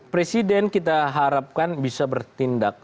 presiden kita harapkan bisa bertindak